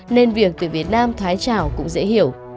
nên việc tuyển việt nam thoái trảo cũng dễ hiểu